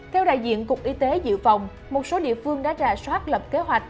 theo đại diện cục y tế dự phòng một số địa phương đã rà soát lập kế hoạch